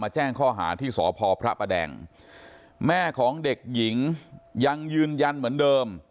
แจ้งข้อหาที่สพพระประแดงแม่ของเด็กหญิงยังยืนยันเหมือนเดิม